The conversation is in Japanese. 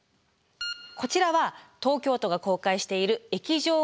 こちらは東京都が公開している液状化予測図です。